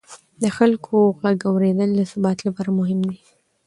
د خلکو غږ اورېدل د ثبات لپاره مهم دي